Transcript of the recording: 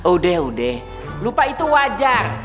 udah udah lupa itu wajar